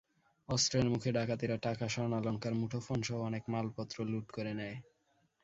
অস্ত্রের মুখে ডাকাতেরা টাকা, স্বর্ণালংকার, মুঠোফোনসহ অনেক মালপত্র লুট করে নেয়।